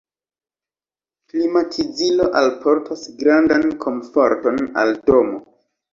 Klimatizilo alportas grandan komforton al domo.